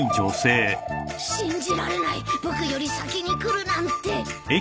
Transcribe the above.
信じられない僕より先に来るなんて。